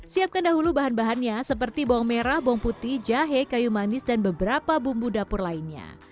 siapkan dahulu bahan bahannya seperti bawang merah bawang putih jahe kayu manis dan beberapa bumbu dapur lainnya